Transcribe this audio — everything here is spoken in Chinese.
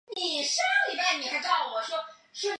无柄鳞毛蕨为鳞毛蕨科鳞毛蕨属下的一个种。